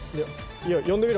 読んでみろ。